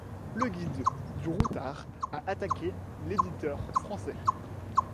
Le Guide du Routard a attaqué l’éditeur français.